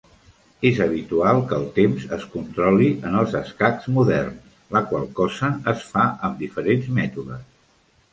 És habitual que el temps es controli en els escacs moderns, la qual cosa es fa amb diferents mètodes.